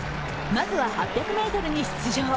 まずは８００ｍに出場。